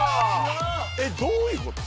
えっ？どういうこと？